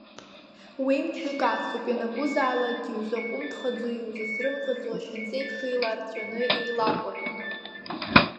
Уи мчык ацуп ианакәызаалакгьы иузаҟәымҭхаӡо, иузацрымҟьаӡо, ашьанҵа еиԥш еиларҵәаны, еилакәырҳәны…